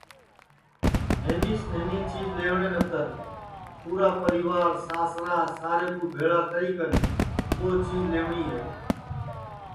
تو ایک نہنی سی چیج لئیوٹؔے نتر پُورا پریوار ساسرا سارے کُو بھیݪا کری کن ٻو چیج لئیوٹؔی ہے